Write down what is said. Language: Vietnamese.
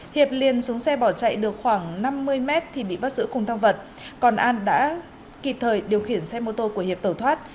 hiệp liền xuống xe bỏ chạy được khoảng năm mươi mét thì bị bắt giữ cùng thang vật còn an đã kịp thời điều khiển xe mô tô của hiệp tẩu thoát